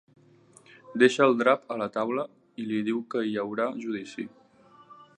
Deixa el drap a la taula i li diu que hi haurà judici.